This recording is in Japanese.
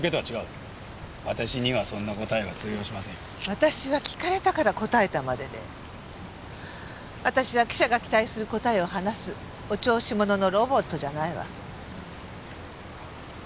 私は聞かれたから答えたまでで私は記者が期待する答えを話すお調子者のロボットじゃないわ。